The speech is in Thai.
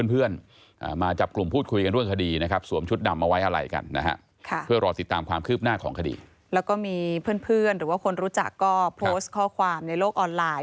เพื่อนหรือคนรู้จักก็โพสต์ข้อความในโลกออนไลน์